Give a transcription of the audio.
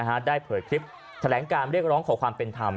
ในพื้นกันได้เผลอคลิปแถลงการเลี่ยงร้องของความเป็นธรรม